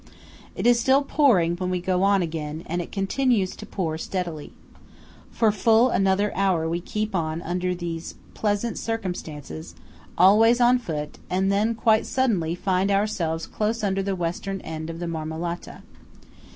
It is still pouring when we go on again, and it continues to pour steadily. For full another hour we keep on under these pleasant circumstances, always on foot; and then, quite suddenly, find ourselves close under the western end of the Marmolata.